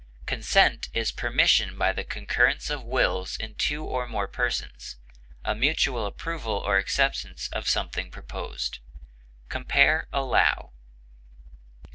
Consent is permission by the concurrence of wills in two or more persons, a mutual approval or acceptance of something proposed. Compare ALLOW.